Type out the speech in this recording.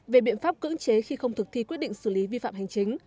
về biện pháp cưỡng chế khi không thực thi quyết định xử lý vi phạm hành chính